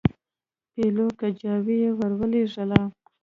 پیلو کجاوه یې ورولېږله.